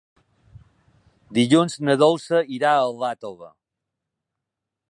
Dilluns na Dolça irà a Iàtova.